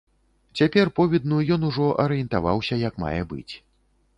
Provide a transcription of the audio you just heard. Цяпер повідну ён ужо арыентаваўся як мае быць.